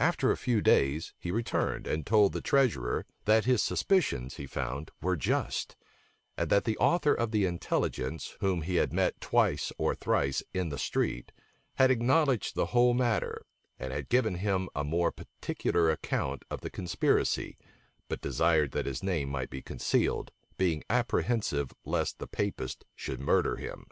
After a few days, he returned, and told the treasurer, that his suspicions, he found, were just; and that the author of the intelligence, whom he had met twice or thrice in the street, had acknowledged the whole matter, and had given him a more particular account of the conspiracy, but desired that his name might be concealed, being apprehensive lest the Papists should murder him.